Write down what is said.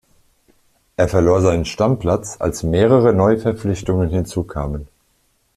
Er verlor seinen Stammplatz, als mehrere Neuverpflichtungen hinzu kamen.